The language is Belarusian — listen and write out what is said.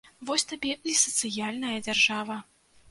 Вось табе і сацыяльная дзяржава.